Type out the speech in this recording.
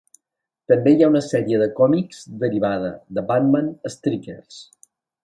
També hi ha una sèrie de còmics derivada, The Batman Strikes!